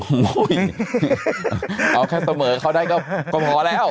โอ้ยเอาแค่ต่อเหมือเขาได้ก็พอแล้ว